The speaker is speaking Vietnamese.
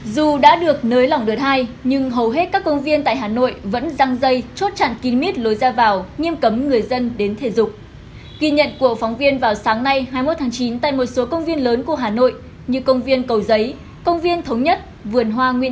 các bạn hãy đăng ký kênh để ủng hộ kênh của chúng mình nhé